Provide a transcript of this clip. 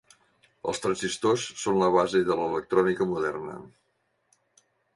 Els transistors són la base de l'electrònica moderna.